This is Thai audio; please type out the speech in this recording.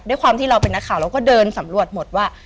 ด้วยความที่เราเป็นนักข่าวเราก็เดินสำรวจหมดว่า